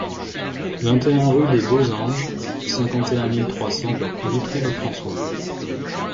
vingt et un rue des Beaux Anges, cinquante et un mille trois cents Vitry-le-François